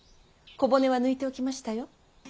小骨は抜いておきましたよ。